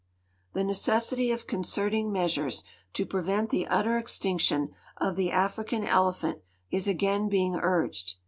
The necessity of concmtiiig measures to prevent the utter extinction of the .\frican eleiihant is again being urged.